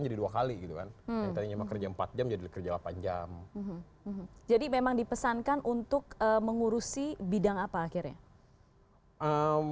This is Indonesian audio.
jadi memang dipesankan untuk mengurusi bidang apa akhirnya